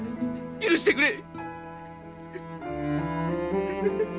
許してくれ！